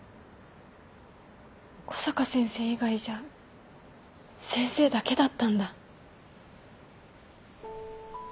小坂先生以外じゃ先生だけだったんだ。